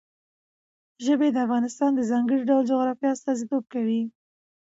ژبې د افغانستان د ځانګړي ډول جغرافیه استازیتوب کوي.